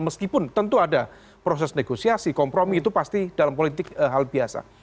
meskipun tentu ada proses negosiasi kompromi itu pasti dalam politik hal biasa